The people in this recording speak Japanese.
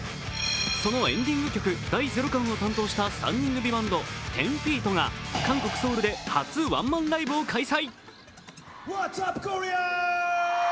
そのエンディング曲「第ゼロ感」を担当した３人組バント、１０−ＦＥＥＴが韓国・ソウルで初ワンマンライブを開催。